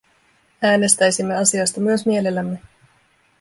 Äänestäisimme asiasta myös mielellämme.